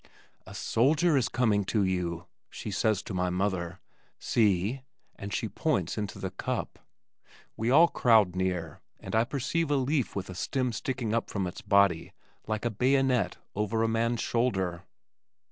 "A soldier is coming to you!" she says to my mother. "See," and she points into the cup. We all crowd near, and I perceive a leaf with a stem sticking up from its body like a bayonet over a man's shoulder.